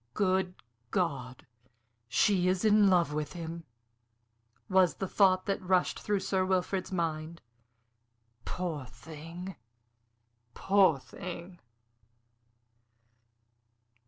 "Good God! she is in love with him!" was the thought that rushed through Sir Wilfrid's mind. "Poor thing! Poor thing!"